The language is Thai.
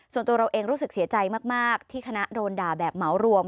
ส่วนตัวเราเองรู้สึกเสียใจมากที่คณะโดนด่าแบบเหมารวม